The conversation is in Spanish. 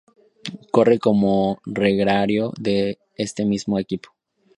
Corre como gregario de este mismo equipo.